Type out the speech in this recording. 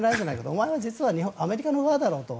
お前は実はアメリカの側だろうと。